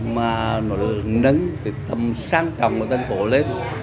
mà nó được nâng cái tâm sáng trọng của thành phố lên